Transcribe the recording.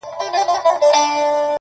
څنګه د بورا د سینې اور وینو-